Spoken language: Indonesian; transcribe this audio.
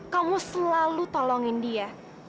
kamu selalu tolongin dia